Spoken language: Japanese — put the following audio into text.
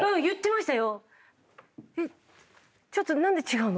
言ってましたよ。